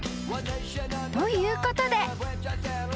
ということで］